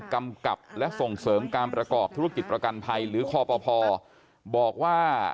กำกับและส่งเสริมการประกอบธุรกิจประกันภัยหรือคอปภบอกว่า